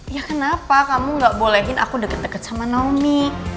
ya kenapa kamu gak bolehin aku deket deket sama naomi